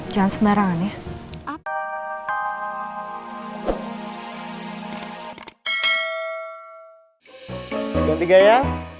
jangan sembarangan ya